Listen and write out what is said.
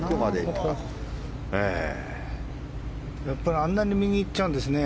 あんなに右に行っちゃうんですね。